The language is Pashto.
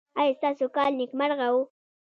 ایا ستاسو کال نیکمرغه و؟